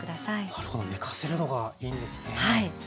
なるほど寝かせるのがいいんですね。